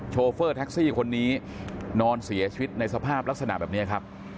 โฟเฟอร์แท็กซี่คนนี้นอนเสียชีวิตในสภาพลักษณะแบบนี้ครับ